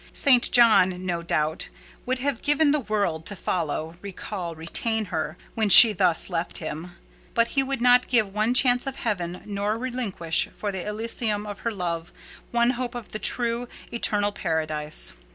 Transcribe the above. St. John, no doubt, would have given the world to follow, recall, retain her, when she thus left him; but he would not give one chance of heaven, nor relinquish, for the elysium of her love, one hope of the true, eternal Paradise.